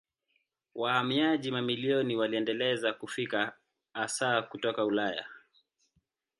Wahamiaji mamilioni waliendelea kufika hasa kutoka Ulaya.